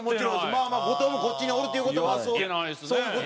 まあまあ後藤もこっちにおるという事はそういう事やんね。